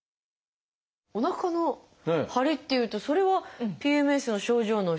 おなかの張りっていうとそれはＰＭＳの症状の一つにありますよね。